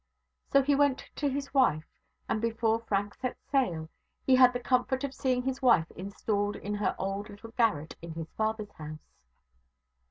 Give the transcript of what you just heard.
So he went to his wife. And before Frank set sail, he had the comfort of seeing his wife installed in her old little garret in his father's house.